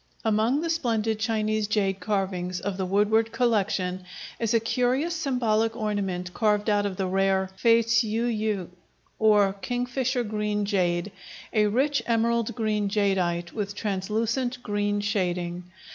Among the splendid Chinese jade carvings of the Woodward Collection is a curious symbolic ornament carved out of the rare fei ts'ui yü, or "kingfisher green jade," a rich emerald green jadeite with translucent green shading.